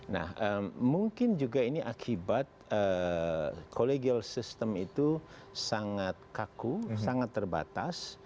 nah mungkin juga ini akibat kolegal system itu sangat kaku sangat terbatas